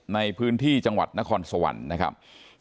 ในพื้นที่จังหวัดนครสวรรค์นะครับ